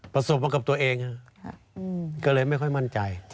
ประสบมากับตัวเองก็เลยไม่ค่อยมั่นใจ